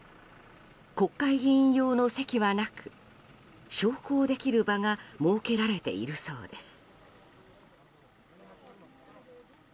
国会議員用の席はなく焼香できる場が設けられているそうです。